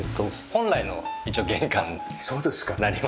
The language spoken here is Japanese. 本来の一応玄関になります。